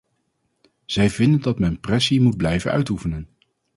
Zij vinden dat men pressie moet blijven uitoefenen.